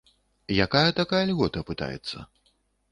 Якая такая льгота, пытаецца?